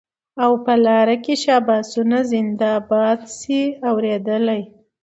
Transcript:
او په لار کي شاباسونه زنده باد سې اورېدلای